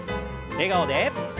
笑顔で。